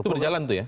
itu berjalan itu ya